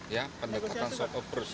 ya pendekatan sop